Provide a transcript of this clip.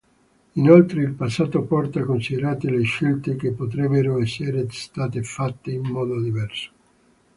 Inoltre, il passato porta a considerare le scelte che potrebbero essere state fatte in modo diverso.